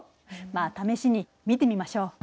まあ試しに見てみましょう。